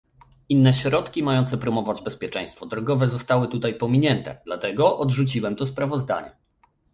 Inne środki mające promować bezpieczeństwo drogowe zostały tutaj pominięte, dlatego odrzuciłem to sprawozdanie